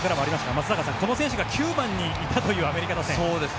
松坂さん９番にいたというアメリカ打線。